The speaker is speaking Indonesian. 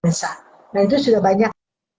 nah itu sudah banyak